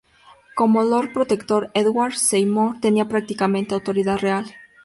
Como Lord Protector, Edward Seymour tenía prácticamente autoridad real.